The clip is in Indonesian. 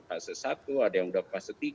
fase satu ada yang sudah fase tiga